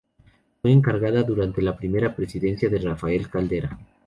Fue encargada durante la primera presidencia de Rafael Caldera.